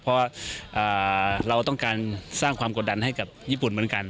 เพราะว่าเราต้องการสร้างความกดดันให้กับญี่ปุ่นเหมือนกัน